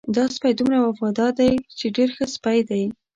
دا سپی دومره وفادار دی ډېر ښه سپی دی.